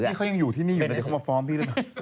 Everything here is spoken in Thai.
ที่เขายังอยู่ที่นี่อยู่เลยเดี๋ยวเขามาฟ้องพี่หรือเปล่า